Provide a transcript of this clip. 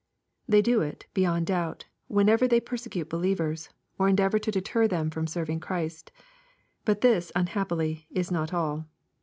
They do it, beyond doubt, whenever they persecute believers, or endeavor to deter them from serving Christ. — But this, unhappily, is not all.